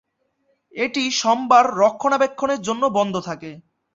এটি সোমবার রক্ষণাবেক্ষণের জন্য বন্ধ থাকে।